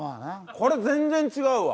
これ全然違うわ。